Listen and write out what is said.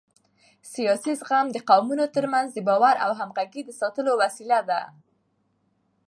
سیاسي زغم د قومونو ترمنځ د باور او همغږۍ د ساتلو وسیله ده